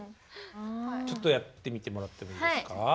ちょっとやってみてもらってもいいですか？